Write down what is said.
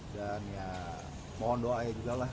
dan ya mohon doa ya juga lah